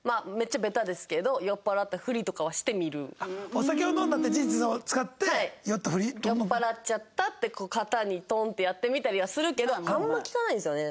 お酒を飲んだっていう事実を使って酔ったふり？ってこう肩にトンってやってみたりはするけどあんま効かないんですよね。